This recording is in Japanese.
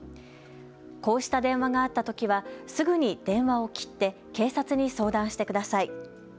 こうした電話があったときはすぐに電話を切って警察に相談してください。